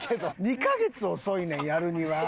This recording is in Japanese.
２カ月遅いねんやるには。